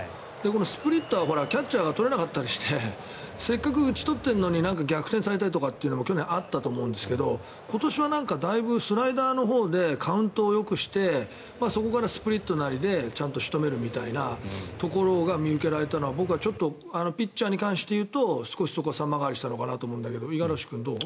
このスプリットはキャッチャーがとれなかったりしてせっかく打ち取っているのに逆転されたというのも去年あったと思うんですが今年はだいぶスライダーのほうでカウントをよくしてそこからスプリットなりでちゃんと仕留めるみたいなところが見受けられたのは僕はピッチャーに関して言うと少し様変わりしたのかなと思うんだけど五十嵐君どう？